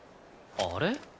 「あれ」？